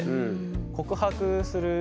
告白する